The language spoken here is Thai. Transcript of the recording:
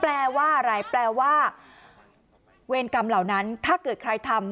แปลว่าอะไรแปลว่าเวรกรรมเหล่านั้นถ้าเกิดใครทำ